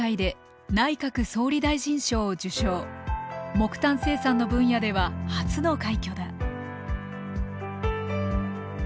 木炭生産の分野では初の快挙だ。